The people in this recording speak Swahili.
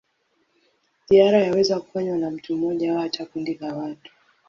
Ziara yaweza kufanywa na mtu mmoja au hata kundi la watu.